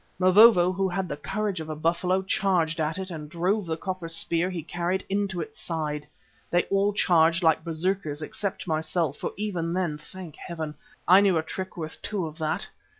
Mavovo, who had the courage of a buffalo, charged at it and drove the copper spear he carried into its side. They all charged like berserkers, except myself, for even then, thank Heaven! I knew a trick worth two of that.